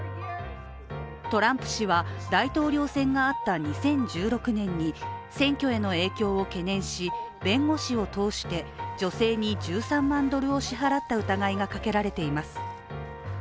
トランプ氏は大統領選があった２０１６年に、選挙への影響を懸念し、弁護士を通して女性に１３万ドルを支払った疑いがかけられています。